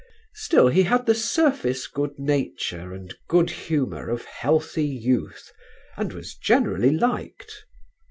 Still he had the surface good nature and good humour of healthy youth and was generally liked.